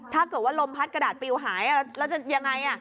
ถ้าเกิดว่าลมพัดกระดาษปิวหายแล้วจะยังไง